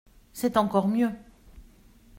C'est encore mieux.